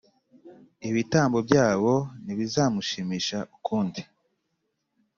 ibitambo byabo ntibizamushimisha ukundi.